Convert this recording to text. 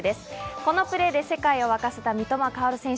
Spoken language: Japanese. このプレーで世界を沸かせた三笘薫選手。